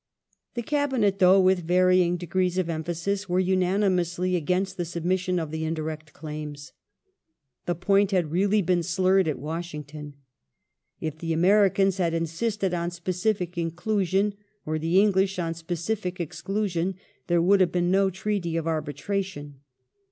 The Cabinet, though with varying degrees of emphasis, were unanimous against the submission of the indirect claims.^ The point had really been slurred at Washington. If the Americans had insisted on specific inclusion, or the English on specific exclusion, there would have been no treaty of arbitration.